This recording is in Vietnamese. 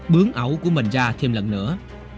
bướng ẩu của mình ra thêm lần nữa